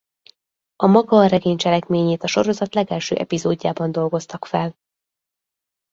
A maga a regény cselekményét a sorozat legelső epizódjában dolgoztak fel.